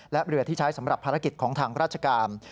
และเรือที่ใช้สำหรับภารกิจของทางราชการ